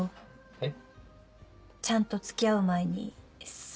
えっ！